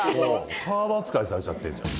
カード扱いされちゃってるじゃん。